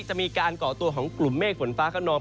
จะมีการก่อตัวของกลุ่มเมฆฝนฟ้าขนอง